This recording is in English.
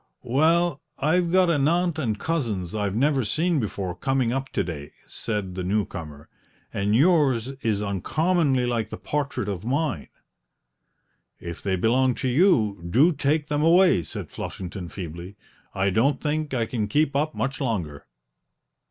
"Well, I've got an aunt and cousins I've never seen before coming up to day," said the new comer, "and yours is uncommonly like the portrait of mine." "If they belong to you, do take them away!" said Flushington feebly; "I don't think I can keep up much longer."